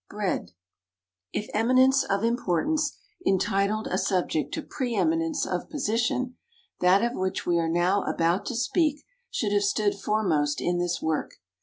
BREAD. If eminence of importance entitled a subject to pre eminence of position, that of which we are now about to speak should have stood foremost in this work.